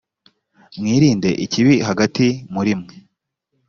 mwirinde ikibi hagati muri mwe